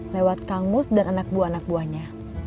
lewat kang mus dan anak buah anak buahnya